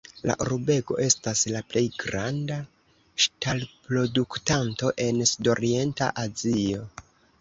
La urbego estas la plej granda ŝtalproduktanto en Sudorienta Azio.